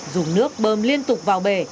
dùng nước bơm liên tục vào bể